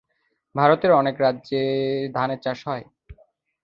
ভারতের অনেক রাজ্যে ধানের চাষ হয়।